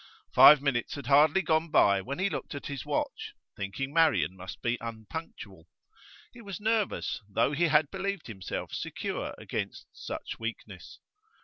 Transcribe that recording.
Five minutes had hardly gone by when he looked at his watch, thinking Marian must be unpunctual. He was nervous, though he had believed himself secure against such weakness.